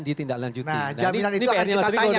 ditindaklanjuti nah jaminan itu akan kita tanya